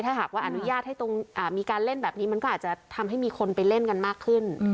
ถ้าหากว่าอนุญาตให้มีการเล่นแบบนี้มันก็อาจจะทำให้มีคนไปเล่นกันมากขึ้น